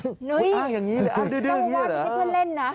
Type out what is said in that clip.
อ้าวอย่างนี้เหรออ้าวดื้อเหี้ยเหรอ